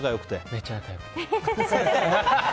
めっちゃ仲良くて。